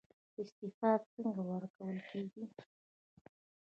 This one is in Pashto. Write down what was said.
استعفا څنګه ورکول کیږي؟